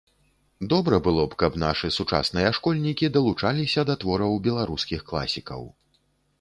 Добра было б, каб нашы сучасныя школьнікі далучаліся да твораў беларускіх класікаў.